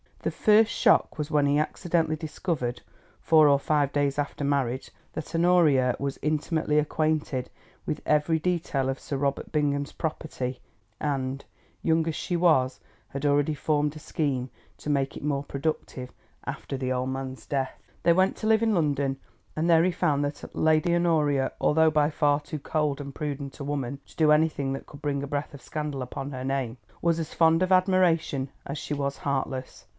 The first shock was when he accidentally discovered, four or five days after marriage, that Honoria was intimately acquainted with every detail of Sir Robert Bingham's property, and, young as she was, had already formed a scheme to make it more productive after the old man's death. They went to live in London, and there he found that Lady Honoria, although by far too cold and prudent a woman to do anything that could bring a breath of scandal upon her name, was as fond of admiration as she was heartless.